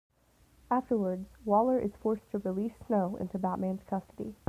Afterwards, Waller is forced to release Snow into Batman's custody.